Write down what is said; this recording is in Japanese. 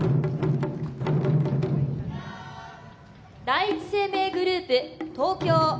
第一生命グループ・東京。